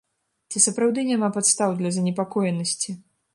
Ці сапраўды няма падстаў для занепакоенасці?